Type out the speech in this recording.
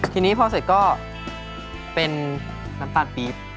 ทีนี้พอเสร็จก็เป็นน้ำตาลปี๊บ